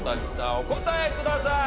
お答えください。